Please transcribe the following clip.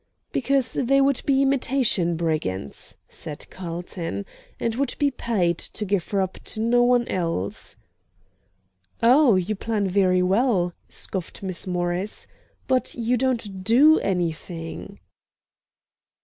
"Because they would be imitation brigands," said Carlton, "and would be paid to give her up to no one else." "Oh, you plan very well," scoffed Miss Morris, "but you don't DO anything."